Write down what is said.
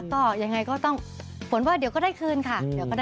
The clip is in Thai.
ก็ยังไงก็ต้องฝนว่าเดี๋ยวก็ได้คืนค่ะ